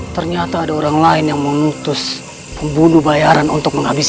ternyata ada orang lain yang memutus pembunuh bayaran untuk menghabiskan